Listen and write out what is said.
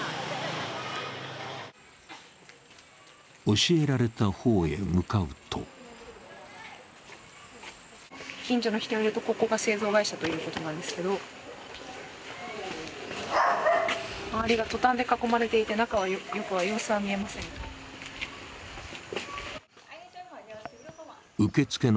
教えられた方へ向かうと近所の人によると、ここが製造会社ということなんですけど周りがトタンで囲まれていて、中の様子は見えませんが。